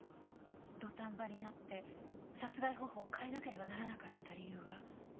土壇場になって殺害方法を変えなければならなかった理由が。